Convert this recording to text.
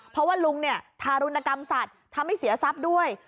เพราะว่าลุงเนี่ยทารุณกรรมสัตว์ทำให้เสียทรัพย์ด้วย